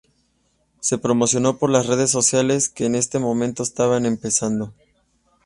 Se promocionó por las redes sociales, que en este momento estaban empezando.